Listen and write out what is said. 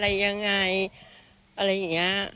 อะไรยังไง